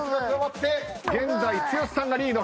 現在剛さんがリード。